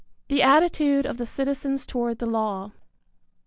VI. THE ATTITUDE OP THE CITIZENS TOWARD THE LAW.